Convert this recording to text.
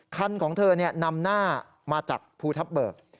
ของเธอนำหน้ามาจากภูทับเบิก